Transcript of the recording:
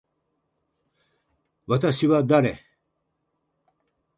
私は誰。